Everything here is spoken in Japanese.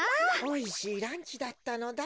おいしいランチだったのだ。